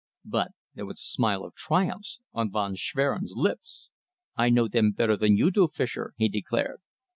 But there was a smile of triumph on Von Schwerin's lips. "I know them better than you do, Fischer," he declared.